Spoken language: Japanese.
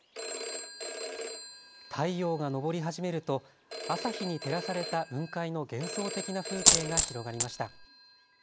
太陽が昇り始めると朝日に照らされた雲海の幻想的な風景が広がりました。